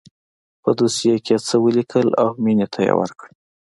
په دوسيه کښې يې څه وليکل او مينې ته يې ورکړه.